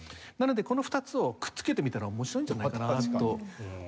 なのでこの２つをくっつけてみたら面白いんじゃないかな？と。